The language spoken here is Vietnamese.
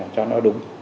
cho nó đúng